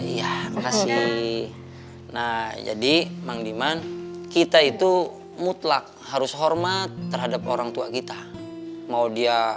ya makasih nah jadi mandiman kita itu mutlak harus hormat terhadap orang tua kita mau dia